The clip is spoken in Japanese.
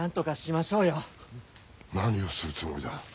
何をするつもりだ？